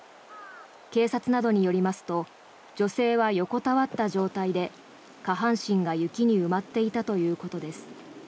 警察などによりますと女性は横たわった状態で下半身が雪に埋まっていたということです。